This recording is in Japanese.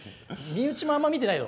身内もあんま見てないよ。